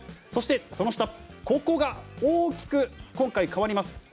そして、ここが大きく今回、変わります。